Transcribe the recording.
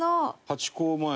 ハチ公前。